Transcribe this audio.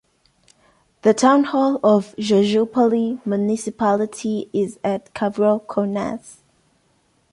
The town hall of Georgioupoli municipality is at Kavros-Kournas.